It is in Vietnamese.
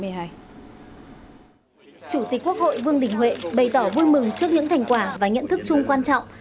chủ tịch quốc hội vương đình huệ bày tỏ vui mừng trước những thành quả và nhận thức chung quan trọng